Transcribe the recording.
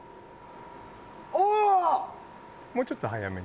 もうちょっと速めに。